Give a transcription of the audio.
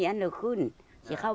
ông khiến v alleine